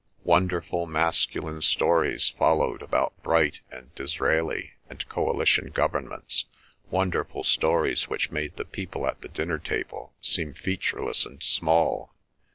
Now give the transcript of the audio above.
Wonderful masculine stories followed about Bright and Disraeli and coalition governments, wonderful stories which made the people at the dinner table seem featureless and small.